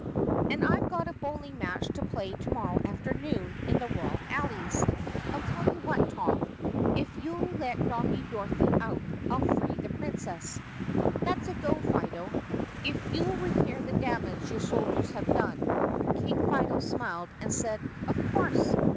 "And I 've a bowling match to play to morrow afternoon in the royal alleys. I 'll tell you what, Tom. If you 'll let Doggie Dorothy out, I 'll free the Princess." "That 's a go, Fido, if you 'll repair the damage your sol diers have done." King Fido smiled and said, "Of course!"